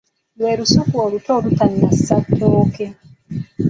Lwe lusuku oluto olutannasa nkota.